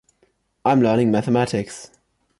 I’m learning mathematics.